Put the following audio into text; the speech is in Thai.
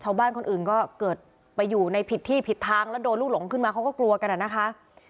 คนอื่นก็เกิดไปอยู่ในผิดที่ผิดทางแล้วโดนลูกหลงขึ้นมาเขาก็กลัวกันอะนะคะ